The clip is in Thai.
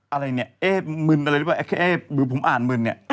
อะไรเนี่ยมึนอะไรมือผมอ่านมึนเนี่ย